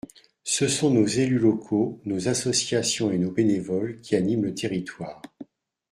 Ce sont nos élus locaux, nos associations et nos bénévoles qui animent le territoire.